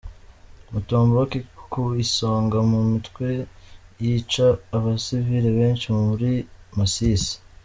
Mutomboki ku isonga mu mitwe yica abasivile benshi muri Masisi